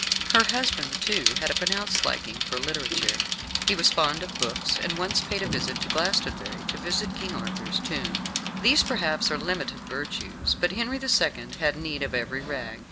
Her husband, too, had a pronounced liking for literature. He was fond of books, and once paid a visit to Glastonbury to visit King Arthur's tomb. These, perhaps, are limited virtues, but Henry the Second had need of every rag.